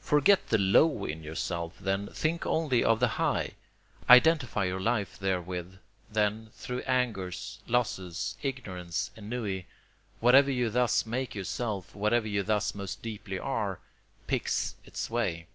Forget the low in yourself, then, think only of the high. Identify your life therewith; then, through angers, losses, ignorance, ennui, whatever you thus make yourself, whatever you thus most deeply are, picks its way.